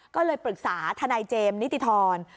ก็เลยปรึกษาทนายเจมส์นิติธร